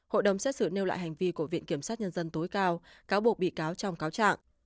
hội đồng xét xử nêu lại hành vi của viện kiểm sát nhân dân tối cao cáo buộc bị cáo trong cáo trạng